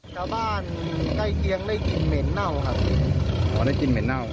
ชาวบ้านใกล้เกียงได้กินเหม็นเน่าครับอ๋อได้กินเหม็นเน่า